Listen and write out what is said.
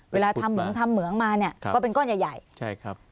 เวลาทำเหมืองมาเนี่ยก็เป็นก้อนใหญ่ใช่ครับ